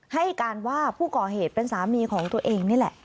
ให้การว่าผู้ก่อเหตุเป็นสามีของตัวเองนี่แหละ